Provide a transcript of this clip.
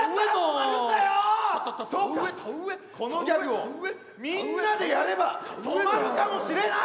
そうかこのギャグをみんなでやれば止まるかもしれない！